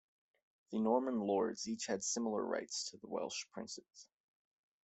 The Norman lords each had similar rights to the Welsh princes.